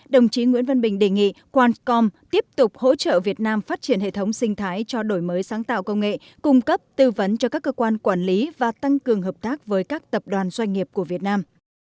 đồng chí nguyễn văn bình đề nghị quantcom tiếp tục hỗ trợ việt nam phát triển hệ thống sinh thái cho đổi mới sáng tạo công nghệ cung cấp tư vấn cho các cơ quan quản lý và tăng cường hợp tác với các tập đoàn doanh nghiệp của việt nam